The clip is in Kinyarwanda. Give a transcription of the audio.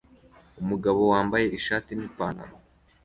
Umugabo wambaye ishati n'ipantaro